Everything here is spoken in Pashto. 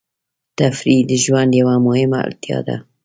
تفریح د ژوند یوه مهمه اړتیا ده.